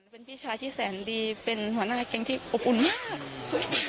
เป็นพี่ชายที่แสนดีเป็นหัวหน้าแก๊งที่อบอุ่นมาก